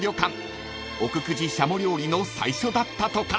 ［奥久慈しゃも料理の最初だったとか］